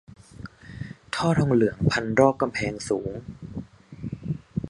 ท่อทองเหลืองพันรอบกำแพงสูง